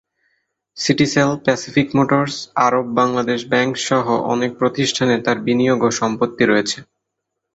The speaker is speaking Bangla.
Citycell, Pacific Motors, Arab Bangladesh bank সহ অনেক প্রতিষ্ঠানে তার বিনিয়োগ ও সম্পত্তি রয়েছে।